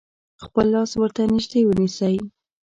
خپل لاس ورته نژدې ونیسئ.